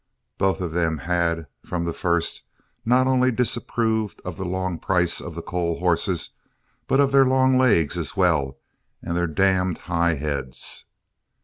Both of them had, from the first, not only disapproved of the long price of the Coles horses, but of their long legs as well and their "damned high heads."